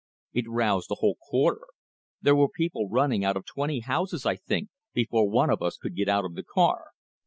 It roused the whole quarter; there were people running out of twenty houses, I think, before one of us could get out of the car.